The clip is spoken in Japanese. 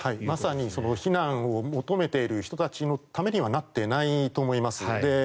まさに避難を求めている人たちのためにはなっていないと思います。